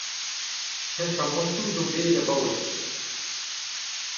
Cheñchamantoù a zo bet abaoe.